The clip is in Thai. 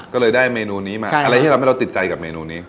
ก็เลยได้เมนูนี้มาอะไรที่ทำให้เราติดใจกับเมนูนี้